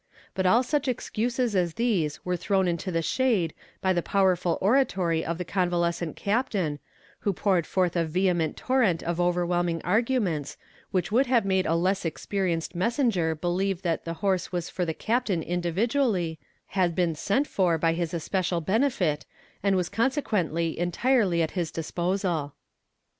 But all such excuses as these were thrown into the shade by the powerful oratory of the convalescent captain, who poured forth a vehement torrent of overwhelming arguments which would have made a less experienced messenger believe that the horse was for the captain individually, had been sent for his especial benefit, and was consequently entirely at his disposal.